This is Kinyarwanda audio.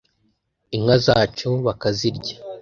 inka zacu bakazirya